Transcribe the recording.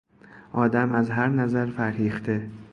آدم از هر نظر فرهیخته